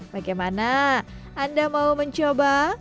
bagaimana anda mau mencoba